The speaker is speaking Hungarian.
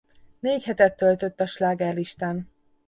Négy hetet töltött a slágerlistán.